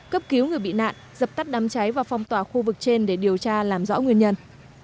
cấp cứu người bị nạn dập tắt đám cháy và phong tỏa khu vực trên để điều tra làm rõ nguyên nhân